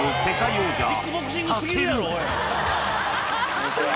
・こんにちは・